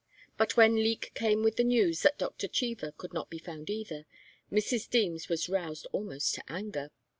But when Leek came with the news that Doctor Cheever could not be found, either, Mrs. Deems was roused almost to anger.